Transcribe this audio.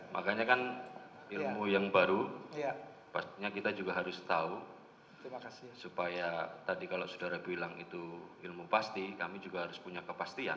makanya kan ilmu yang baru pastinya kita juga harus tahu supaya tadi kalau saudara bilang itu ilmu pasti kami juga harus punya kepastian